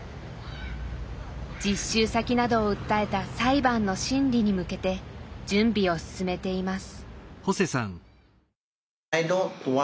実習先などを訴えた裁判の審理に向けて準備を進めています。